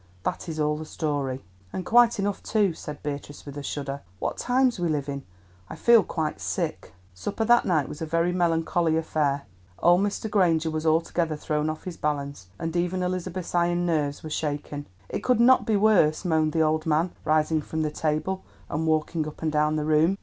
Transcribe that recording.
That is all the story." "And quite enough, too," said Beatrice with a shudder. "What times we live in! I feel quite sick." Supper that night was a very melancholy affair. Old Mr. Granger was altogether thrown off his balance; and even Elizabeth's iron nerves were shaken. "It could not be worse, it could not be worse," moaned the old man, rising from the table and walking up and down the room.